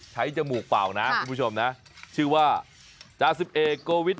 มาทำเป็นเล่นไป